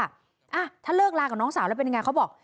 อ่ะถ้าเลิกลากับน้องสาวแล้วเป็นยังไงเขาบอก